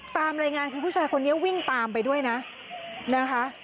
ตามรายงานคือผู้ชายคนนี้วิ่งตามไปด้วยนะนะคะ